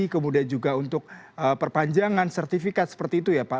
kemudian juga untuk perpanjangan sertifikat seperti itu ya pak